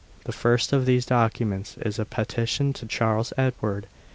The first of these documents is a petition to Charles Edward.